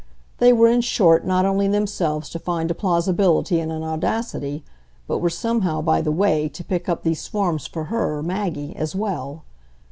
They were in short not only themselves to find a plausibility and an audacity, but were somehow by the way to pick up these forms for her, Maggie, as well.